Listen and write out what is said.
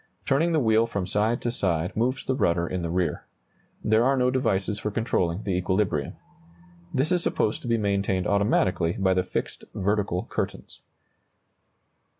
Turning the wheel from side to side moves the rudder in the rear. There are no devices for controlling the equilibrium. This is supposed to be maintained automatically by the fixed vertical curtains.